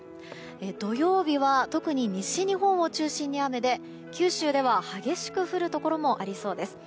土曜日は特に西日本を中心に雨で九州では激しく降るところもありそうです。